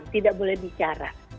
tidak boleh bicara